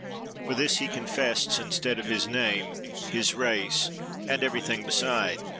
For this he confessed instead of his name, his race, and everything beside.